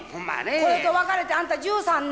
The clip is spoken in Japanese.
これと別れて、あんた１３年。